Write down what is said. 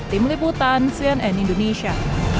tim liputan cnn indonesia